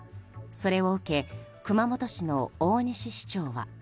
それを受け熊本市の大西市長は。